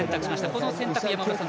この選択、山村さん